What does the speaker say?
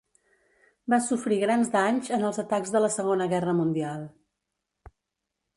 Va sofrir grans danys en els atacs de la Segona Guerra Mundial.